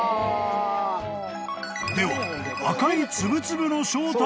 ［では］